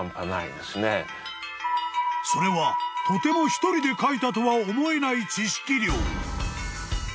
［それはとても１人で書いたとは思えない知識量］